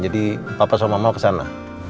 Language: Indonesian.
jadi papa sama mama kesana